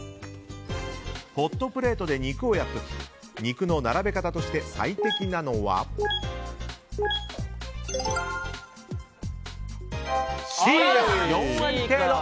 ホットプレートで肉を焼く時肉の並べ方として最適なのはＣの４割程度。